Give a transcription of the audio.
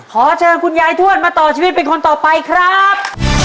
ขอเชิญคุณยายทวดมาต่อชีวิตเป็นคนต่อไปครับ